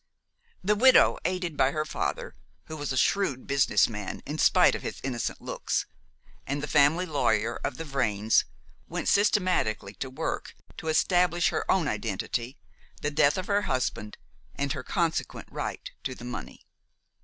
The widow, aided by her father who was a shrewd business man, in spite of his innocent looks and the family lawyer of the Vrains, went systematically to work to establish her own identity, the death of her husband, and her consequent right to the money.